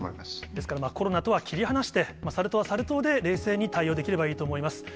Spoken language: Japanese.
ですからコロナとは切り離して、サル痘はサル痘で冷静に対応できればいいと思います。